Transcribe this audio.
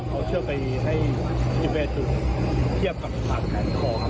ก็เอาเชือกไปให้ดิเฟย์ถึงเทียบกับบัดแผลที่คอครับ